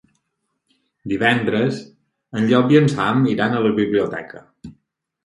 Divendres en Llop i en Sam iran a la biblioteca.